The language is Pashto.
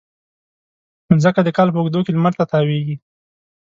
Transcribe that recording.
مځکه د کال په اوږدو کې لمر ته تاوېږي.